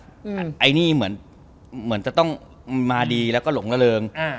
ไอ้นี่เหมือนจะต้องมาดีแล้วก็หลงระเริงอ่า